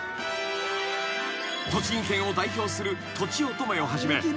［栃木県を代表するとちおとめをはじめ］